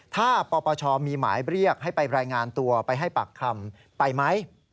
ถ้าปปชมีหมายเรียกให้ไปรายงานตัวไปให้ปากคำไปไหม